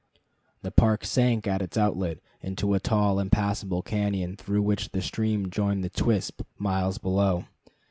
The park sank at its outlet into a tall impassable cañon through which the stream joined the Twispt, miles below.